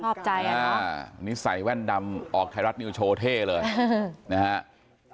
ชอบใจอ่ะนี่ใส่แว่นดำออกไทยรัฐนิวโชว์เท่เลยนะฮะ